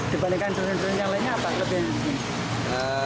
dibandingkan durian durian yang lainnya apa